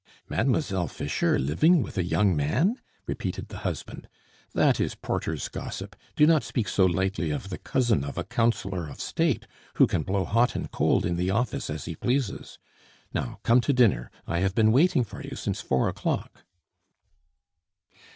"Mademoiselle Fischer living with a young man?" repeated the husband. "That is porter's gossip; do not speak so lightly of the cousin of a Councillor of State who can blow hot and cold in the office as he pleases. Now, come to dinner; I have been waiting for you since four o'clock."